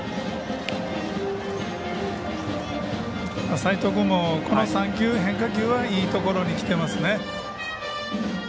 齋藤君も、この３球、変化球はいいところにきていますね。